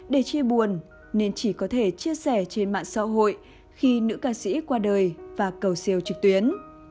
để chia buồn nên chỉ có thể chia sẻ trên mạng xã hội khi nữ ca sĩ qua đời và cầu siêu trực tuyến